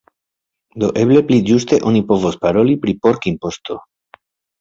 Do eble pli ĝuste oni povos paroli pri pork-imposto.